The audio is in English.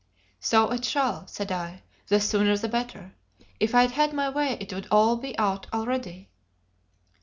"So it shall," said I; "the sooner the better; if I'd had my way it would all be out already."